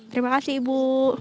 terima kasih ibu